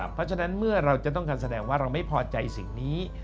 เพราะฉะนั้นเมื่อเราจะต้องการแสดงว่าเราไม่พอใจสิ่งนี้